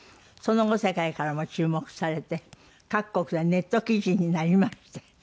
その後世界からも注目されて各国でネット記事になりまして。